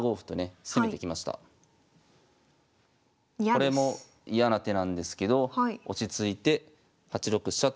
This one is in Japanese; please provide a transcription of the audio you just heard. これも嫌な手なんですけど落ち着いて８六飛車と受けます。